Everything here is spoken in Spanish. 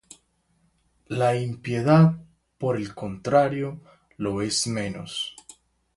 La impiedad, por el contrario, lo es menos.